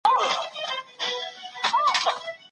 اراده لومړی شرط دی.